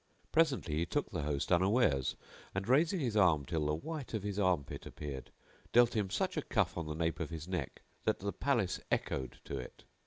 Presently he took the host unawares; and, raising his arm till the white of his armpit appeared, dealt him such a cuff on the nape of his neck that the palace echoed to it.